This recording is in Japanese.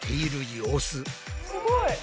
すごい！